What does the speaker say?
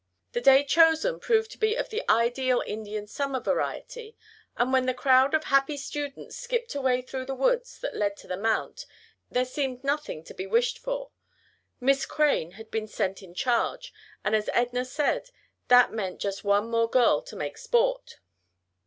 The day chosen proved to be of the ideal Indian summer variety, and when the crowd of happy students skipped away through the woods that led to the mount, there seemed nothing to be wished for. Miss Crane had been sent in charge, and as Edna said, that meant just one more girl to make sport.